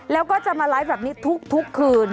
แล้วก็จะมาไลฟ์แบบนี้ทุกคืน